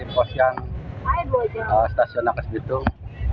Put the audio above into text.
kos yang stasiun rangkas bitung